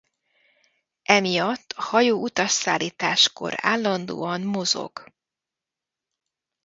Emiatt a hajó utasszállításkor állandóan mozog.